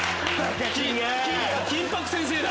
金箔先生だ。